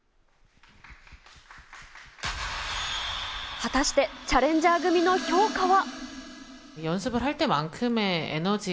果たして、チャレンジャー組の評価は。